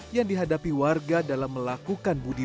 yang dihadapi warga dalam melalui perjalanan ikan warga